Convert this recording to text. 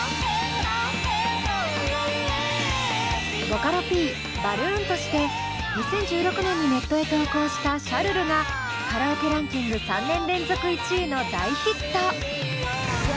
ボカロＰバルーンとして２０１６年にネットへ投稿した「シャルル」がカラオケランキング３年連続１位の大ヒット。